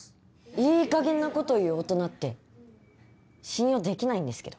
いいかげんなこと言う大人って信用できないんですけど。